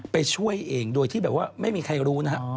ไปช่วยเองโดยที่แบบว่าไม่มีใครรู้นะฮะ